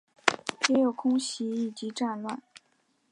也有空袭以及战乱